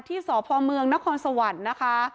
ที่สพมนสนะคะ